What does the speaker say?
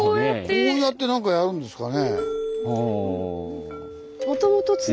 こうやって何かやるんですかね？